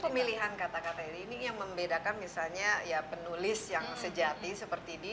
pemilihan kata kata ini ini yang membedakan misalnya ya penulis yang sejati seperti di